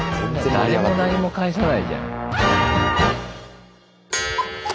誰も何も返さないじゃん。